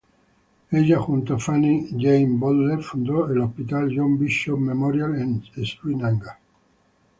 Ella junto a Fanny Jane Butler fundó el hospital John Bishop Memorial en Srinagar.